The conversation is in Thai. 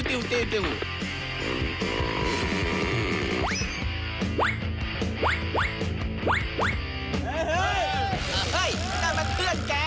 เฮ้ยนั่นมันเพื่อนแก